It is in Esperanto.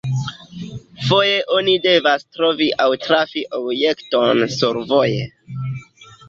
Foje oni devas trovi aŭ trafi objektojn survoje.